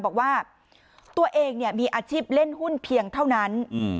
บอกว่าตัวเองมีอาชีพเล่นหุ้นเพียงเท่านั้น